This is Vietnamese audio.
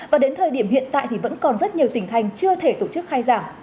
và đến thời điểm hiện tại thì vẫn còn rất nhiều tỉnh thành chưa thể tổ chức khai giảng